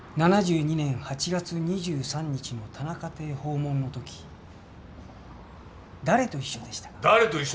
７２年８月２３日の田中邸訪問の時誰と一緒でしたか？